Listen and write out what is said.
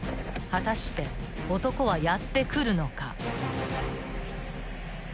［果たして男はやって来るのか？］